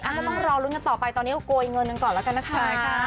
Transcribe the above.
ก็ต้องรอลุ้นกันต่อไปตอนนี้ก็กลัวอีกเงินหนึ่งก่อนแล้วกันนะคะ